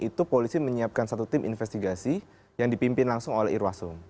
itu polisi menyiapkan satu tim investigasi yang dipimpin langsung oleh irwasum